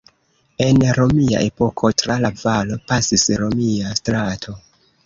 En romia epoko tra la valo pasis romia strato.